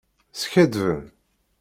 Skaddben.